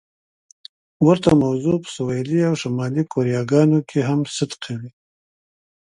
ورته موضوع په سویلي او شمالي کوریاګانو کې هم صدق کوي.